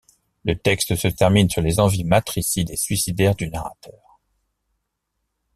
Le texte se termine sur les envies matricides et suicidaires du narrateur.